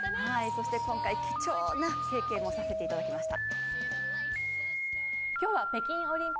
そして今回、貴重な経験もさせてもらいました。